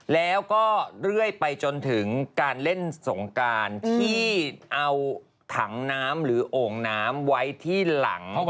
แล้วก็เรื่อยไปจนถึงการเล่นสงการที่เอาถังน้ำหรือโอ่งน้ำไว้ที่หลัง